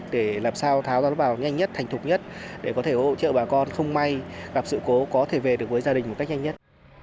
để làm sao tháo ra nó vào nhanh nhất thành thục nhất để có thể hỗ trợ bà con không may gặp sự cố có thể về được với gia đình một cách nhanh nhất